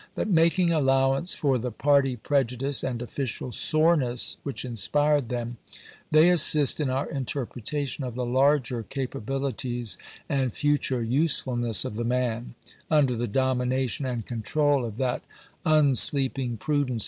But, making allow ance for the party prejudice and official soreness which inspired them, they assist in our interpreta tion of the larger capabilities and future usefulness of the man, under the domination and control of that unsleeping prudence and large hearted charity Chap.